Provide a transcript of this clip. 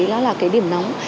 đấy là cái điểm nóng